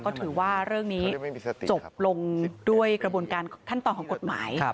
ก็ถือว่าเรื่องนี้จบลงด้วยกระบวนการขั้นตอนของกฎหมาย